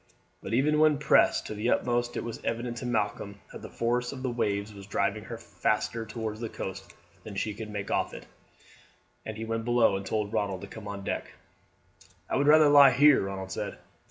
But even when pressed to the utmost it was evident to Malcolm that the force of the waves was driving her faster towards the coast than she could make off it, and he went below and told Ronald to come on deck. "I would rather lie here," Ronald said.